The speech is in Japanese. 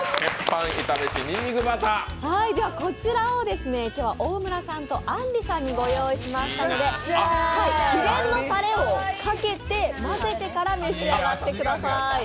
こちらを今日は大村さんとあんりさんにご用意しましたので秘伝のたれをかけて、混ぜてから召し上がってください。